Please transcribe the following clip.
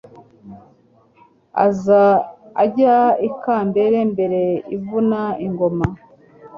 Yaza ajya i KambereMbere ivuna ingoma